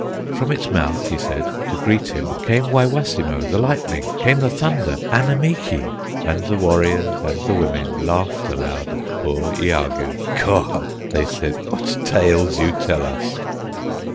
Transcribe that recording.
From its mouth, he said, to greet him, Came Waywassimo, the lightning, Came the thunder, Annemeekee! And the warriors and the women Laughed aloud at poor Iagoo; "Kaw!" they said, "what tales you tell us!"